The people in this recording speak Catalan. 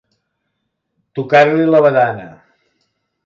Tocar-li la badana.